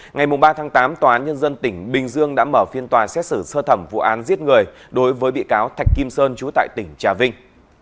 ngày ba tháng tám tòa án nhân dân tỉnh bình dương đã mở phiên tòa xét xử sơ thẩm vụ án giết người đối với bị cáo thạch kim sơn trú tại tỉnh trà vinh